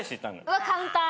うわっカウンター！